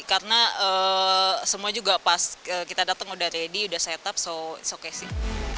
karena semua juga pas kita datang sudah ready sudah set up so it's okay sih